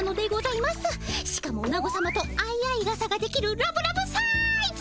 しかもオナゴさまと相合いがさができるラブラブサイズ！